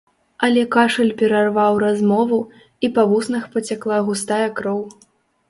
Але кашаль перарваў размову, і па вуснах пацякла густая кроў.